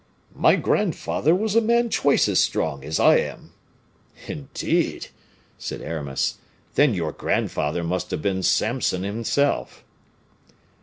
"My grandfather was a man twice as strong as I am." "Indeed!" said Aramis; "then your grandfather must have been Samson himself."